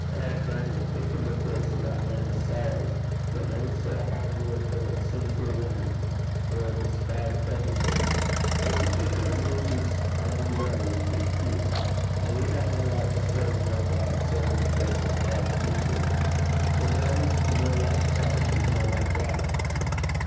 Eh, grannie! think o' the face o' that man o' sorrows, that never said a hard word till a sinfu' wuman, or a despised publican: was he thinkin' aboot 's ain glory, think ye? An' we hae no richt to say we ken God save in the face o' Christ Jesus. Whatever 's no like Christ is no like God.'